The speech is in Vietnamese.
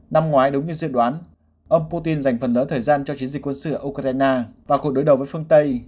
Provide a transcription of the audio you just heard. năm ngoái đúng như dự đoán ông putin dành phần lớn thời gian cho chiến dịch quân sự ở ukraine và cuộc đối đầu với phương tây